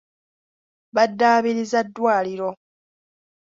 Baddaabiriza ddwaliro.